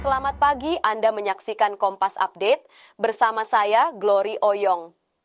selamat pagi anda menyaksikan kompas update bersama saya glory oyong